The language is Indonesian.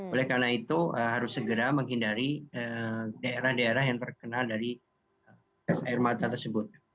oleh karena itu harus segera menghindari daerah daerah yang terkena dari gas air mata tersebut